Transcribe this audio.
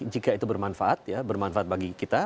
jika itu bermanfaat ya bermanfaat bagi kita